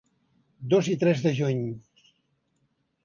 Dos i tres de juny.